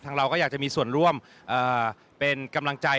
เราก็อยากจะมีส่วนร่วมเป็นกำลังใจ